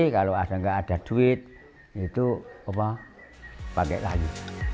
kalau tidak ada duit pakai kayu